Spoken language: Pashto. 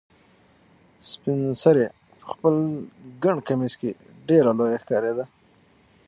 سپین سرې په خپل ګڼ کمیس کې ډېره لویه ښکارېده.